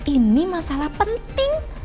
ini masalah penting